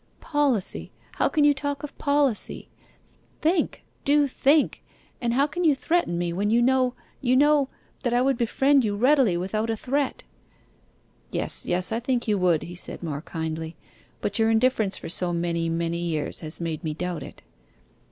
'Policy, how can you talk of policy? Think, do think! And how can you threaten me when you know you know that I would befriend you readily without a threat!' 'Yes, yes, I think you would,' he said more kindly; 'but your indifference for so many, many years has made me doubt it.